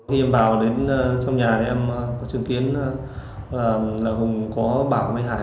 hùng có hành vi tác bộ mặt hại